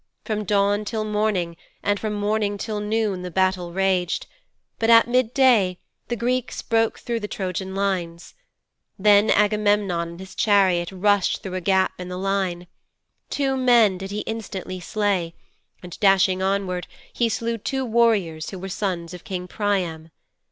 From dawn till morning and from morning till noon the battle raged, but at mid day the Greeks broke through the Trojan lines. Then Agamemnon in his chariot rushed through a gap in the line. Two men did he instantly slay, and dashing onward he slew two warriors who were sons of King Priam.